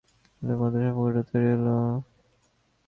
এরপর আমাদের মধ্যে সম্পর্কটা তৈরি হলো, আমরা ঠিক করলাম বিয়ে করব।